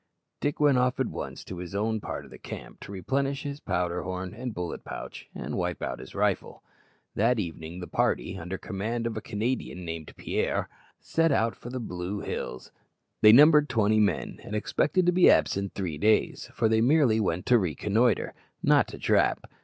Dick went off at once to his own part of the camp to replenish his powder horn and bullet pouch, and wipe out his rifle. That evening the party, under command of a Canadian named Pierre, set out for the Blue Hills. They numbered twenty men, and expected to be absent three days, for they merely went to reconnoitre, not to trap.